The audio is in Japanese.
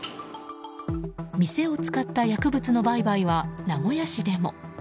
店を使った薬物の売買は名古屋市でも。